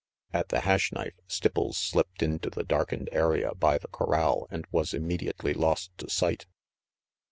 At the Hash Knife, Stipples slipped into the darkened area by the corral and was immediately lost to sight.